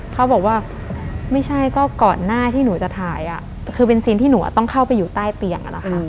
เขาบอกว่าไม่ใช่ก็ก่อนหน้าที่หนูจะถ่ายคือเป็นซีนที่หนูต้องเข้าไปอยู่ใต้เตียง